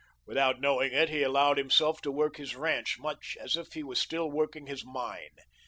Without knowing it, he allowed himself to work his ranch much as if he was still working his mine.